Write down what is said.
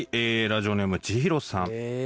ラジオネームちひろさん。